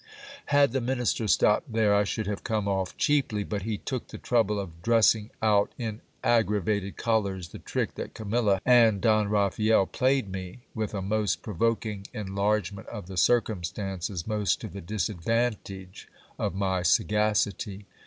Had the minister stopped there, I should have come off cheaply ; but he took the trouble of dressing out in aggravated colours the trick that Camilla and Don Raphael played me, with a most provoking enlargement of the circum stances most to the disadvantage of my sagacity.